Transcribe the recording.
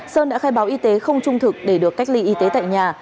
sơn đã khai báo y tế không trung thực để được cách ly y tế tại nhà